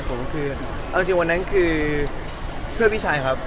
ผมจริงว่านั้นคือเพื่อพี่ชายครับ